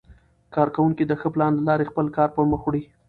کارکوونکي د ښه پلان له لارې خپل کار پرمخ وړي